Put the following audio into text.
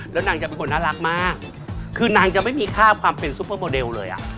แล้วนางจะเป็นคนน่ารักมากคือนางจะไม่มีค่าความเป็นซุปเปอร์โมเดลเลยอ่ะ